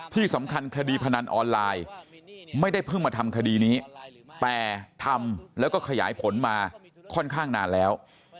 ที่สำคัญคดีพนันออนไลน์ไม่ได้เพิ่งมาทำคดีนี้แต่ทำแล้วก็ขยายผลมาค่อนข้างนานแล้ว